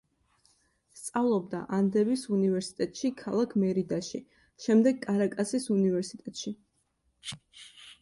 სწავლობდა ანდების უნივერსიტეტში ქალაქ მერიდაში, შემდეგ კარაკასის უნივერსიტეტში.